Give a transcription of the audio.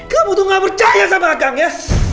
kamu butuh gak percaya sama kang ya